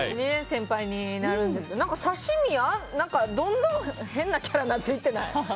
先輩になるんですけど、刺身どんどん変なキャラなっていってない？